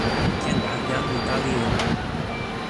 ken la, jan li pali e ona.